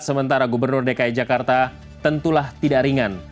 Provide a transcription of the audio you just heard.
sementara gubernur dki jakarta tentulah tidak ringan